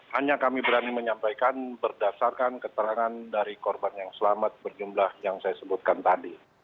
hanya kami berani menyampaikan berdasarkan keterangan dari korban yang selamat berjumlah yang saya sebutkan tadi